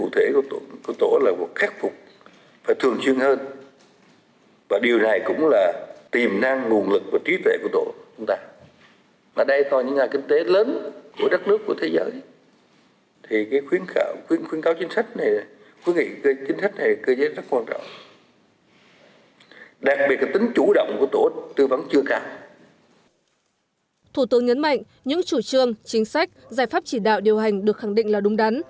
thủ tướng nhấn mạnh những chủ trương chính sách giải pháp chỉ đạo điều hành được khẳng định là đúng đắn